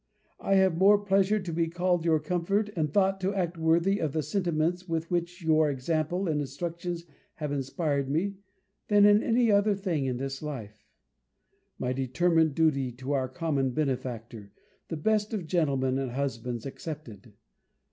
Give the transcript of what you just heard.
I have more pleasure to be called your comfort, and thought to act worthy of the sentiments with which your example and instructions have inspired me, than in any other thing in this life; my determined duty to our common benefactor, the best of gentlemen and husbands, excepted.